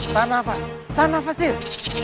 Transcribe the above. tanah bas tanah bas sir